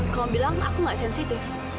kamu bilang aku gak sensitif